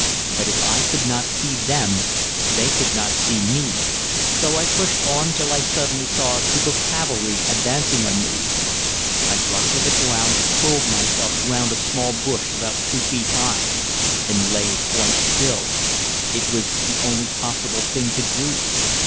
But if I could not see them they could not see me, so I pushed on till I suddenly saw a troop of cavalry advancing on me. I dropped to the ground and curled myself round a small bush about 2 feet high and lay quite still it was the only possible thing to do.